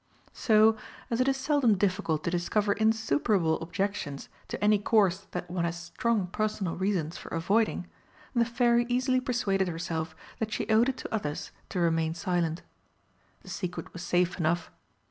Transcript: So, as it is seldom difficult to discover insuperable objections to any course that one has strong personal reasons for avoiding, the Fairy easily persuaded herself that she owed it to others to remain silent. The secret was safe enough.